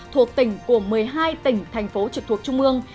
thuộc tỉnh của một mươi hai tỉnh thành phố trực thuộc trung ương